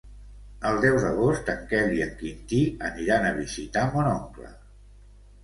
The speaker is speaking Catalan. El deu d'agost en Quel i en Quintí aniran a visitar mon oncle.